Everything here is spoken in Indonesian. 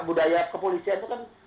budaya kepolisian itu kan